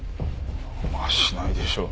まあしないでしょうね。